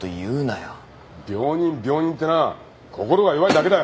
病人病人ってな心が弱いだけだ。